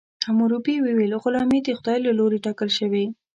حموربي ویل غلامي د خدای له لورې ټاکل شوې.